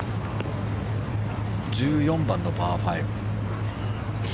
１４番のパー５。